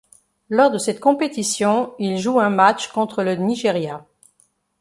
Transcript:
Lors de cette compétition, il joue un match contre le Nigeria.